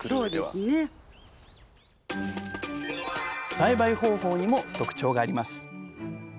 栽培方法にも特徴があります。